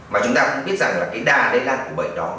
mà chúng ta cũng biết rằng là cái đà lây lan của bệnh đó